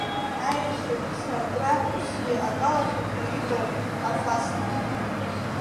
Аешьа игәцаракра усгьы акалашәақәа иҟоуп, афаст!